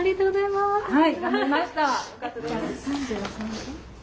はい。